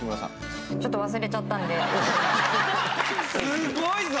すごいぞ！